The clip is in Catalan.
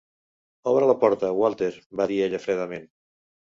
"Obre la porta, Walter", va dir ella fredament.